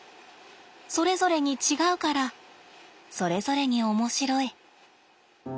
それぞれに違うからそれぞれに面白い。